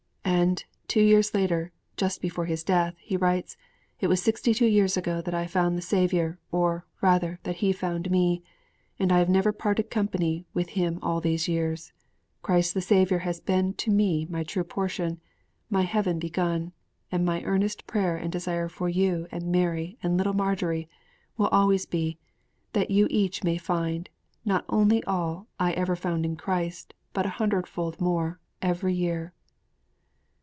And, two years later, just before his death, he writes, 'it was sixty two years ago that I found the Saviour, or, rather, that He found me; and I have never parted company with Him all these years. Christ the Saviour has been to me my true portion, my heaven begun; and my earnest prayer and desire for you and Mary and little Marjory will always be, that you may each find, not only all I ever found in Christ, but a hundredfold more, every year!'